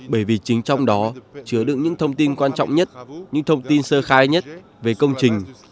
bởi vì chính trong đó chứa đựng những thông tin quan trọng nhất những thông tin sơ khai nhất về công trình